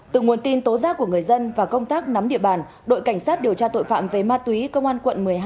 từ nguồn tin tố giác của người dân và công tác nắm địa bàn đội cảnh sát điều tra tội phạm về ma túy công an quận một mươi hai